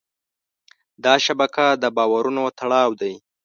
دا شبکه د باورونو تړاو دی.